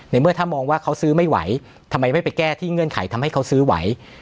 เมื่อถ้ามองว่าเขาซื้อไม่ไหวทำไมไม่ไปแก้ที่เงื่อนไขทำให้เขาซื้อไหว